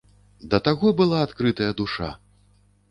Да таго была адкрытая душа!